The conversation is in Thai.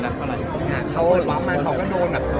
แต่ว่าเขาก็ไม่ได้สุดขวัก